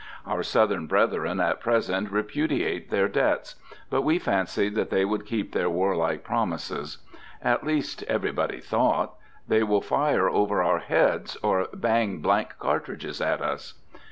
Our Southern brethren at present repudiate their debts; but we fancied they would keep their warlike promises. At least, everybody thought, "They will fire over our heads, or bang blank cartridges at us."